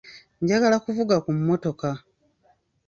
Njagala kuvuga mu mmotoka.